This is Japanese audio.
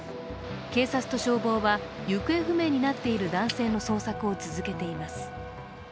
警察と消防は行方不明になっている男性の捜索を続けています。